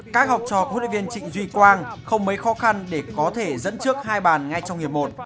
các học trò huấn luyện viên trịnh duy quang không mấy khó khăn để có thể dẫn trước hai bàn ngay trong hiệp một